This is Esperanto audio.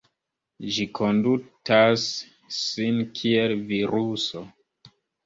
Ĝi kondutas sin kiel viruso.